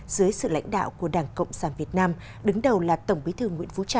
dưới sự lãnh đạo của đảng cộng sản việt nam đứng đầu là tổng bí thư nguyễn phú trọng